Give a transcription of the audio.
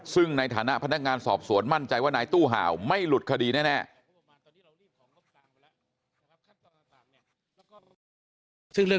ซึ่งในฐานะพนักงานสอบสวนมั่นใจว่านายตู้ห่าวไม่หลุดคดีแน่